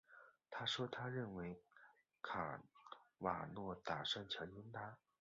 她说她认为卡瓦诺打算强奸她。